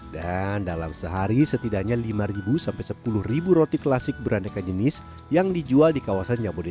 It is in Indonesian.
dan dalam sehari setidaknya lima sampai sepuluh roti klasik beraneka jenis yang dijual di kawasan jabodetabek